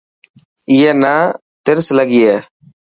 اي نا ترس لگي هي.